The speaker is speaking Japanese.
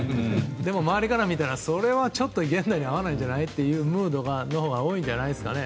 でも、周りから見たらそれは現代に合わないんじゃないっていうムードのほうが多いんじゃないですかね。